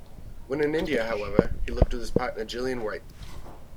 When in India however, he lived with his partner Gillian Wright.